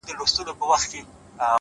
• له لښكر څخه را ليري سو تنها سو,